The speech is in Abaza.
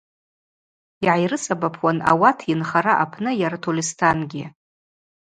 Йгӏайрысабапуан ауат йынхара апны йара Тольыстангьи.